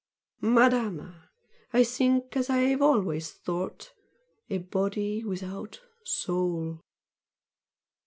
"Madama, I think as I have always thought! a body without soul!"